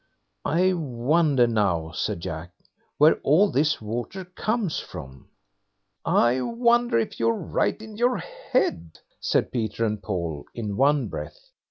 "I wonder now", said Jack, "where all this water comes from." "I wonder if you're right in your head", said Peter and Paul, in one breath.